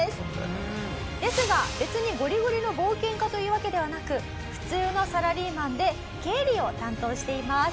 ですが別にゴリゴリの冒険家というわけではなく普通のサラリーマンで経理を担当しています。